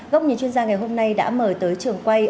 góc nhìn chuyên gia ngày hôm nay đã mời tới trường quay